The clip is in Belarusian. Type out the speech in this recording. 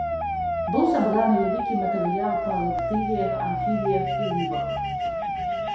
Быў сабраны вялікі матэрыял па рэптыліях, амфібіях і рыбах.